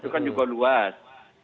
itu kan juga luas